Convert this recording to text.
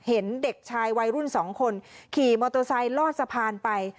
เห็นเด็กชายวัยรุ่นสองคนขี่มอเตอร์ไซค์ลอดสะพานไป